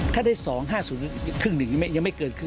ถ้าได้๒๕๐ถึง๑ยังไม่เกินคือ๒๕๑